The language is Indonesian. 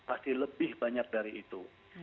pasti lebih banyak dari itu